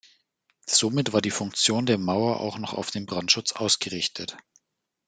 Somit war die Funktion der Mauer auch noch auf den Brandschutz ausgerichtet.